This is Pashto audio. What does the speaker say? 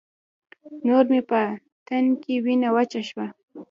نور مې په تن کې وينه وچه شوه.